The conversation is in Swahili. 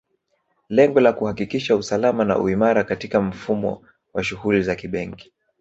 Lengo la kuhakikisha usalama na uimara katika mfumo wa shughuli za kibenki